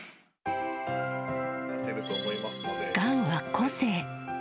がんは個性。